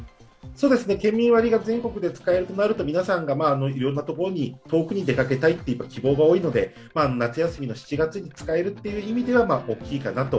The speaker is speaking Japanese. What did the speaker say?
県民割が全国で使えるとなると皆さんがいろんなところに、遠くに出かけたいという希望が多いので夏休みの７月に使えるという意味では大きいかなと。